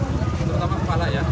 terutama kepala ya